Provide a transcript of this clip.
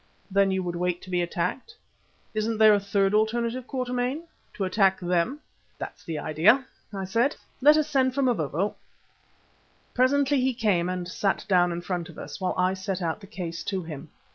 "Then you would wait to be attacked?" "Isn't there a third alternative, Quatermain? To attack them?" "That's the idea," I said. "Let us send for Mavovo." Presently he came and sat down in front of us, while I set out the case to him.